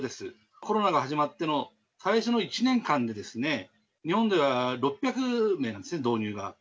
コロナが始まっての最初の１年間で、日本では６００名なんですね、導入が。